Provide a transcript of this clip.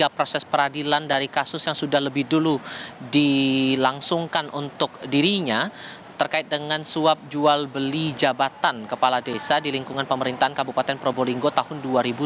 proses peradilan dari kasus yang sudah lebih dulu dilangsungkan untuk dirinya terkait dengan suap jual beli jabatan kepala desa di lingkungan pemerintahan kabupaten probolinggo tahun dua ribu dua puluh